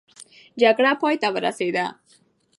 جګړه پای ته ورسېده.